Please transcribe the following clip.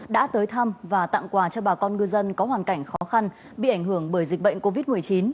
đã tới thăm và tặng quà cho bà con ngư dân có hoàn cảnh khó khăn bị ảnh hưởng bởi dịch bệnh covid một mươi chín